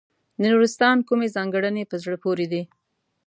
د نورستان کومې ځانګړنې په زړه پورې دي.